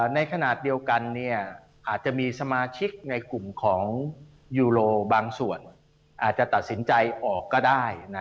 ในขณะเดียวกันอาจจะมีสมาชิกในกลุ่มของยูโรบางส่วนอาจจะตัดสินใจออกก็ได้